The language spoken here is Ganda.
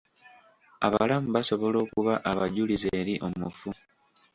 Abalamu basobola okuba abajulizi eri omufu.